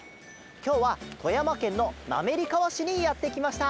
きょうはとやまけんのなめりかわしにやってきました。